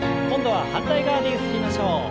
今度は反対側でゆすりましょう。